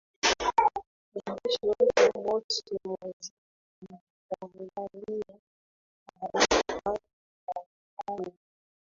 mwandishi wetu mosi mwazia ametuandalia taarifa ifuatayo